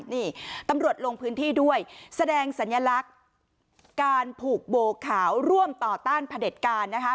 นี่ตำรวจลงพื้นที่ด้วยแสดงสัญลักษณ์การผูกโบขาวร่วมต่อต้านพระเด็จการนะคะ